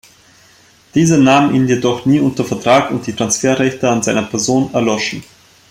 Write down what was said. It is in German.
Diese nahmen ihn jedoch nie unter Vertrag und die Transferrechte an seiner Person erloschen.